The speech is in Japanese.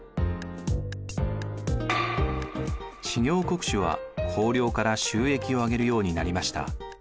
知行国主は公領から収益をあげるようになりました。